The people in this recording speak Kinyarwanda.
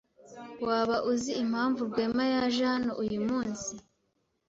Waba uzi impamvu Rwema yaje hano uyumunsi?